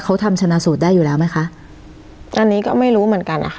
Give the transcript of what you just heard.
เขาทำชนะสูตรได้อยู่แล้วไหมคะอันนี้ก็ไม่รู้เหมือนกันนะคะ